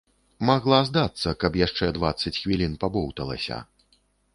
Магла здацца, калі б яшчэ дваццаць хвілін пабоўталася.